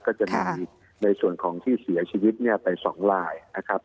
ก็จะมีในส่วนของที่เสียชีวิตเนี่ยไป๒ลายนะครับ